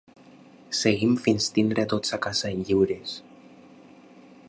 Seguim fins tenir a tots a casa i lliures!